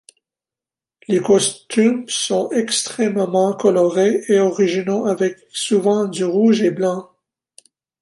Les costumes sont extrêmement colorés et originaux avec souvent du rouge et blanc.